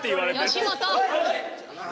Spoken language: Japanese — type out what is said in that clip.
吉本！